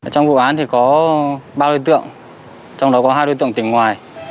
trong vụ án thì có ba đối tượng trong đó có hai đối tượng tỉnh ngoài